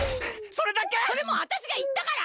それもうわたしがいったから！